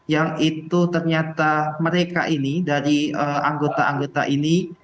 yang itu ternyata mereka ini dari anggota anggota ini